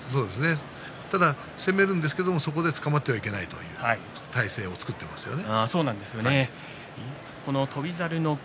ただ攻めるんですけどそこでつかまってはいけないという体勢を作っていますよね。